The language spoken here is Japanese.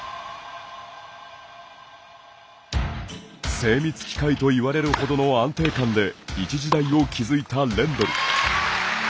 精密機械といわれるほどの安定感で一時代を築いたレンドル。